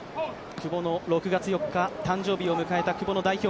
久保の６月４日誕生日を迎えた久保の代表